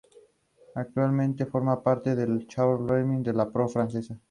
João Roberto Marinho es vice-presidente del Grupo Globo.